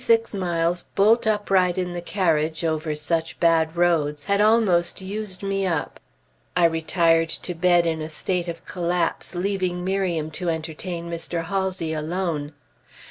A ride of twenty six miles bolt upright in the carriage, over such bad roads, had almost used me up; I retired to bed in a state of collapse, leaving Miriam to entertain Mr. Halsey alone.